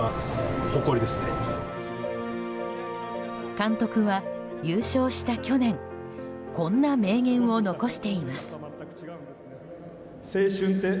監督は優勝した去年こんな名言を残しています。